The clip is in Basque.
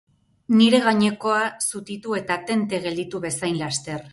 Nire gainekoa zutitu eta tente gelditu bezain laster.